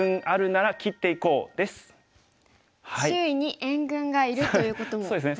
周囲に援軍がいるということも大事なんですね。